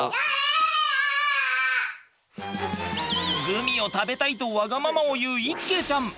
「グミを食べたい」とわがままを言う一慶ちゃん。